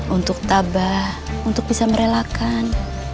untuk tabah untuk bisa merelakan